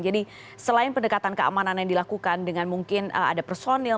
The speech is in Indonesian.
jadi selain pendekatan keamanan yang dilakukan dengan mungkin ada personil